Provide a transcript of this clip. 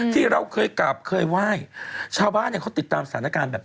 ที่เราเคยกลับเคยไหว้ชาวบ้านเนี่ยเขาติดตามสถานการณ์แบบ